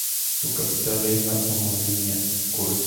Su capital es la homónima Kursk.